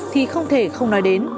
thì không thể không nói đến